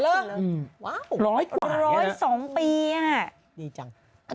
ร้อยกว่าอย่างนี้นะร้อย๒ปีอะดีจัง